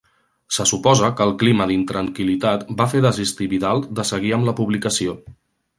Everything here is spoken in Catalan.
Se suposa que el clima d'intranquil·litat va fer desistir Vidal de seguir amb la publicació.